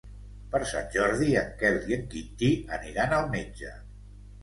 Per Sant Jordi en Quel i en Quintí aniran al metge.